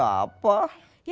nanya sama siapa